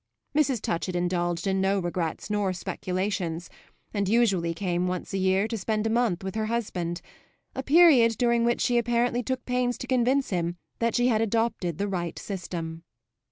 Mrs. Touchett indulged in no regrets nor speculations, and usually came once a year to spend a month with her husband, a period during which she apparently took pains to convince him that she had adopted the right system.